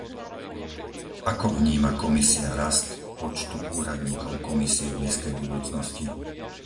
Ako vníma Komisia rast počtu úradníkov Komisie v blízkej budúcnosti?